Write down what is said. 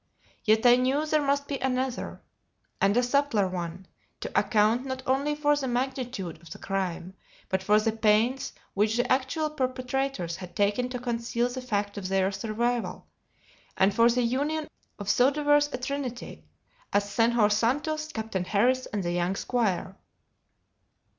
Yet I knew there must be another and a subtler one, to account not only for the magnitude of the crime, but for the pains which the actual perpetrators had taken to conceal the fact of their survival, and for the union of so diverse a trinity as Senhor Santos, Captain Harris, and the young squire.